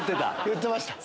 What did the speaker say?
言ってました。